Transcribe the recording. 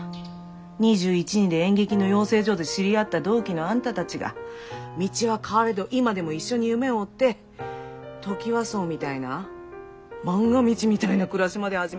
２１２２で演劇の養成所で知り合った同期のあんたたちが道は変われど今でも一緒に夢を追ってトキワ荘みたいな「まんが道」みたいな暮らしまで始めてさ。